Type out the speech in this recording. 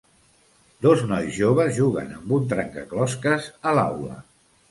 Dos nois joves juguen amb un trencaclosques a l'aula.